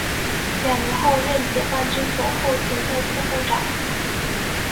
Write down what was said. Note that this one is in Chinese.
两年后任解放军总后勤部副部长。